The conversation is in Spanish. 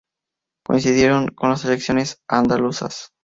Coincidieron con las elecciones andaluzas.